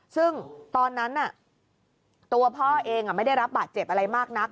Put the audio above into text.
ซึ่งตอนนั้นตัวพ่อเองไม่ได้รับบาดเจ็บอะไรมากนัก